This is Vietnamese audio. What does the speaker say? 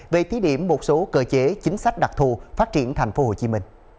về thí điểm một số cơ chế chính sách đặc thù phát triển tp hcm